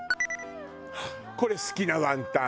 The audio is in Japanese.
あっこれ好きなワンタン！